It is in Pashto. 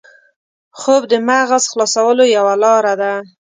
خوب د مغز خلاصولو یوه لاره ده